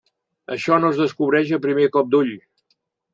Això no es descobreix a primer cop d'ull.